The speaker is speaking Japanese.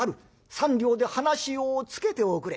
３両で話をつけておくれ」。